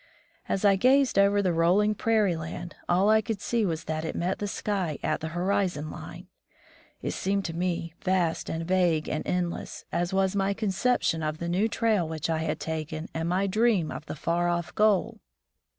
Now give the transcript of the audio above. As I gazed over the rolling prairie land, all I could see was that it met the sky at the horizon line. It seemed to me vast and vague and endless, as was my conception of the new trail which I had taken and my dream of the far off goal.